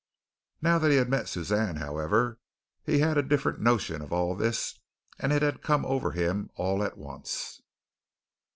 Now that he had met Suzanne, however, he had a different notion of all this, and it had come over him all at once.